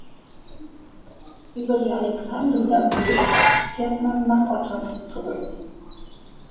Über die "Alexandria Bridge" kehrt man nach Ottawa zurück.